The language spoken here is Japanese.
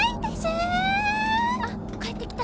あっ帰ってきた！